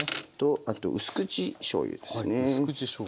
あとうす口しょうゆですね。